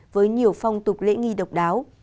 với nhiều phong tục lễ nghi độc đáo